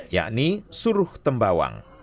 yakni suruh tembawang